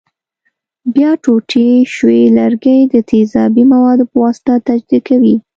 بیا ټوټې شوي لرګي د تیزابي موادو په واسطه تجزیه کوي.